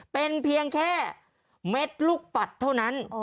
เป็นเพียงแค่เม็ดลูกปัดเท่านั้น